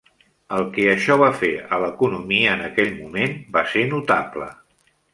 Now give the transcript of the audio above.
El que això va fer a l'economia en aquell moment va ser notable.